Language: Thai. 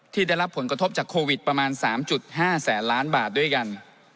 ได้รับผลกระทบจากโควิดประมาณ๓๕แสนล้านบาทด้วยกัน